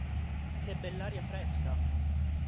Che bell'aria fresca...